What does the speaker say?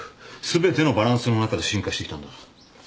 すべてのバランスの中で進化してきたんだ。